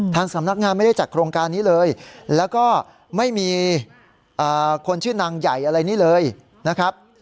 สำนักงานไม่ได้จัดโครงการนี้เลยแล้วก็ไม่มีคนชื่อนางใหญ่อะไรนี้เลยนะครับ